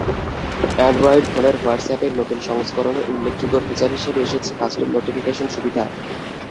Android ফোনের হোয়াটসঅ্যাপের নতুন সংস্করণে উল্লেখযোগ্য ফিচার হিসেবে এসেছে কাস্টম নোটিফিকেশন সুবিধা।